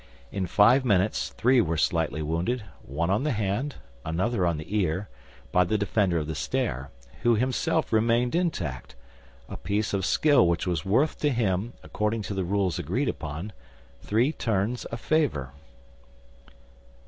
In five minutes three were slightly wounded, one on the hand, another on the ear, by the defender of the stair, who himself remained intact—a piece of skill which was worth to him, according to the rules agreed upon, three turns of favor.